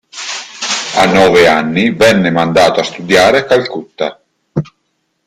A nove anni venne mandato a studiare a Calcutta.